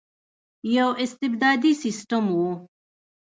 یو استبدادي سسټم وو.